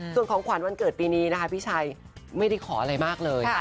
ส่วนของขวัญวันเกิดปีนี้นะคะพี่ชัยไม่ได้ขออะไรมากเลย